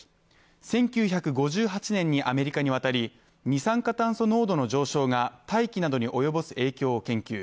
１９５８年にアメリカに渡り二酸化炭素濃度の上昇が大気などに及ぼす影響を研究。